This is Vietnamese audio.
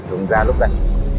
cùng ra lúc đây